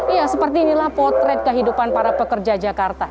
ya seperti inilah potret kehidupan para pekerja jakarta